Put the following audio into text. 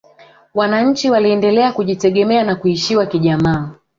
wanachi waliendelea kujitegemea na kuishiwa kijamaa